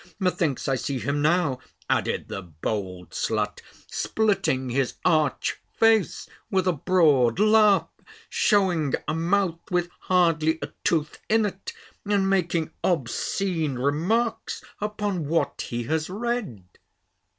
Methinks I see him now," added the bold slut, "splitting his arch face with a broad laugh, shewing a mouth, with hardly a tooth in it, and making obscene remarks upon what he has read."